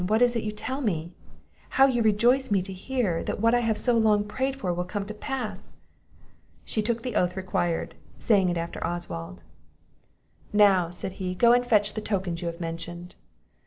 what is it you tell me? How you rejoice me to hear, that what I have so long prayed for will come to pass!" She took the oath required, saying it after Oswald. "Now," said he, "go and fetch the tokens you have mentioned."